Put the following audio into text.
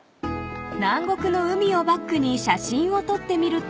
［南国の海をバックに写真を撮ってみると］